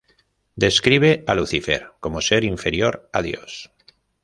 Describe a Lucifer como ser inferior a Dios.